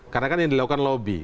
karena kan ini dilakukan lobby